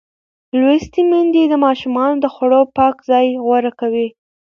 لوستې میندې د ماشومانو د خوړو پاک ځای غوره کوي.